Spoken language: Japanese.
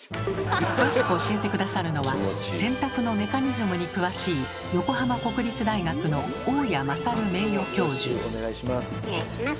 詳しく教えて下さるのは洗濯のメカニズムに詳しいお願いします。